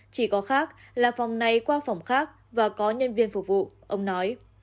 chỉ có khác là phòng này qua phòng khác và có nhân viên phục vụ ông nói